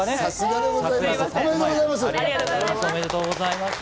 さすがでございます。